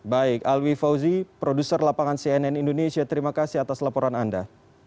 baik alwi fauzi produser lapangan cnn indonesia terima kasih atas laporan anda